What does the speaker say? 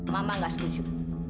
mama nggak setuju